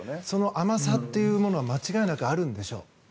その甘さというものは間違いなくあるんでしょう。